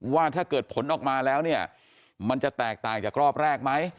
ว่าถ้าเกิดผลออกมาแล้วเนี่ยมันจะแตกต่างจากรอบแรกไหม